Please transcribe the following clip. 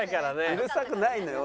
うるさくないのよ